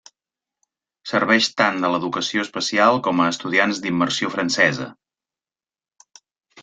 Serveix tant a l'educació especial com a estudiants d'immersió francesa.